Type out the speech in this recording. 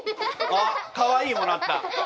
あっかわいいもらった！